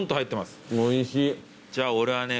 じゃあ俺はね